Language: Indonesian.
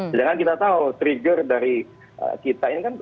sedangkan kita tahu trigger dari kita ini kan